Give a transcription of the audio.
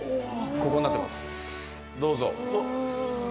ここになってますどうぞ！